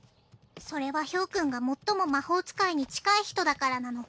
それは豹君が最も魔法使いに近い人だからなの。